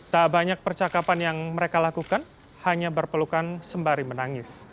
tak banyak percakapan yang mereka lakukan hanya berpelukan sembari menangis